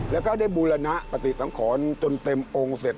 แล้วก็ได้บูรณปฏิสังขรจนเต็มองค์เสร็จ